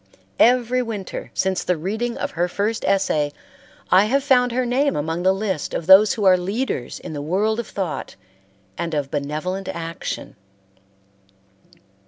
Every winter since the reading of her first essay I have found her name among the list of those who are leaders in the world of thought and of benevolent action.